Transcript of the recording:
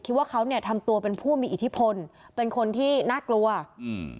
ว่าเขาเนี้ยทำตัวเป็นผู้มีอิทธิพลเป็นคนที่น่ากลัวอืม